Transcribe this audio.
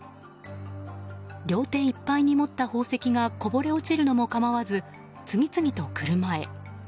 両手いっぱいに持った宝石がこぼれ落ちるのも構わず次々と車へ。